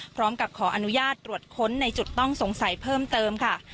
พร้อมกับขออนุญาตตรวจค้นในจุดต้องสงสัยเพิ่มเติมค่ะ